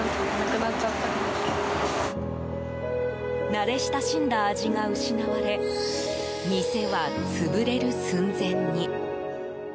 慣れ親しんだ味が失われ店は潰れる寸前に。